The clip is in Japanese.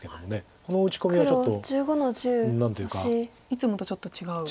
いつもとちょっと違う。